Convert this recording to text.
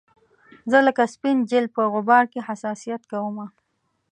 زه لکه سپین جلد په غبار کې حساسیت کومه